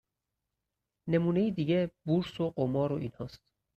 نمونه دیگه بورس و قمار و اینها است.